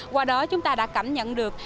qua đó chúng ta đã cảm nhận được